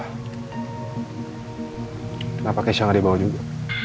kenapa keisha gak dibawa juga